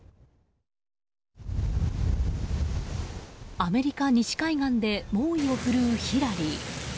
アメリカ西海岸で猛威を振るうヒラリー。